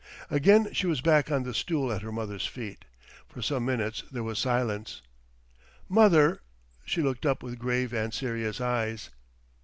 Again she was back on the stool at her mother's feet. For some minutes there was silence. "Mother!" She looked up with grave and serious eyes.